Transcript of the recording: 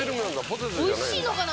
おいしいのかな？